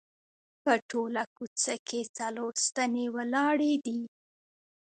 په ټوله کوڅه کې څلور ستنې ولاړې دي.